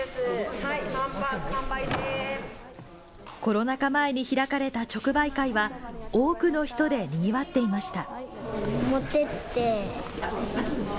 コロナ禍前に開かれた直売会は、多くの人でにぎわっていました。